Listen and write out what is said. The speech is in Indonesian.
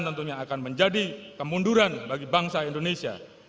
tentunya akan menjadi kemunduran bagi bangsa indonesia